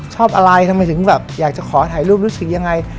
ชอบอะไรทำไมถึงแบบอยากจะขอถ่ายรูปรู้สึกยังไง